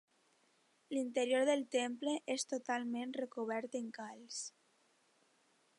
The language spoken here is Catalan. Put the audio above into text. L'interior del temple és totalment recobert en calç.